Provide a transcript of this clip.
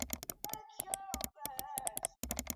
Tunda tamu.